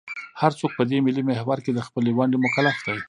هر څوک په دې ملي محور کې د خپلې ونډې مکلف دی.